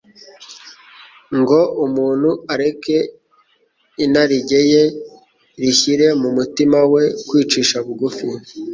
ngo umuntu areke inarinjye ye, rishyire mu mutima we kwicisha bugufi